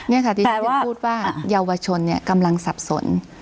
นี่ค่ะที่ฉันยังพูดว่าเยาวชนกำลังสับสน